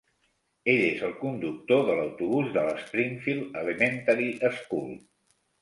Ell és el conductor de l'autobús del "Springfield Elementary School".